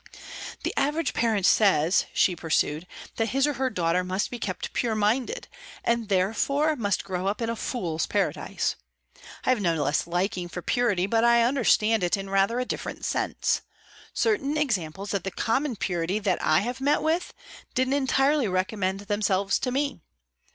"The average parent says," she pursued, "that his or her daughter must be kept pure minded, and therefore must grow up in a fool's paradise. I have no less liking for purity, but I understand it in rather a different sense; certain examples of the common purity that I have met with didn't entirely recommend themselves to me.